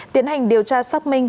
tiến hành điều tra xác minh